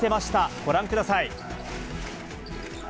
ご覧ください。